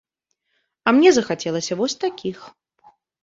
А мне захацелася вось такіх.